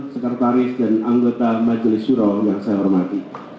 sekretaris dan anggota majelis juro yang saya hormati